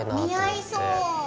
似合いそう。